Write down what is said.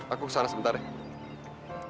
aku kesana sebentar deh